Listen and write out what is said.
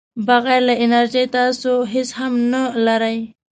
بغیر د انرژۍ تاسو هیڅ هم نه لرئ.